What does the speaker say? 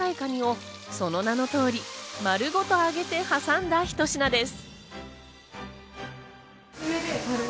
カニをその名の通り、丸ごと揚げて挟んだひと品です。